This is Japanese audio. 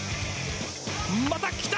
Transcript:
また来た！